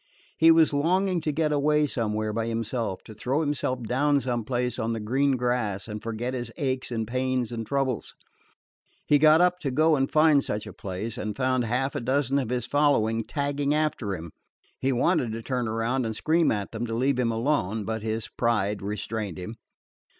He was longing to get away somewhere by himself, to throw himself down some place on the green grass and forget his aches and pains and troubles. He got up to go and find such a place, and found half a dozen of his following tagging after him. He wanted to turn around and scream at them to leave him alone, but his pride restrained him.